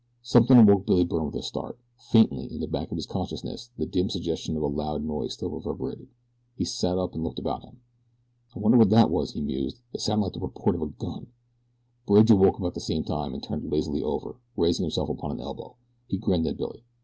Something awoke Billy Byrne with a start. Faintly, in the back of his consciousness, the dim suggestion of a loud noise still reverberated. He sat up and looked about him. "I wonder what that was?" he mused. "It sounded like the report of a gun." Bridge awoke about the same time, and turned lazily over, raising himself upon an elbow. He grinned at Billy.